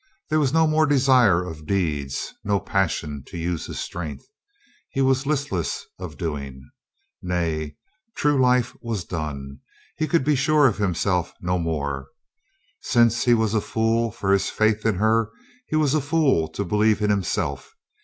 There was no more desire of deeds, no passion to use his strength. , He was listless of doing. Nay, true life was done. He could be sure of himself no more. Since he was a fool for his faith in her, he was a fool to believe in himself.